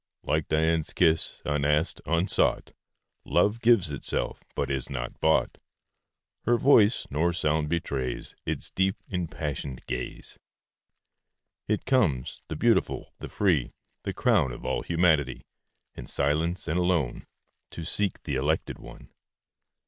Like Dian's kiss, unasked, unsought, Love gives itself, but is not bought; Nor voice, nor sound betrays Its deep, impassioned gaze. It comes, the beautiful, the free, The crown of all humanity, In silence and alone To seek the elected one.